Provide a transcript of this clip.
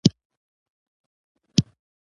کتاب مجموعه څلور څپرکي لري.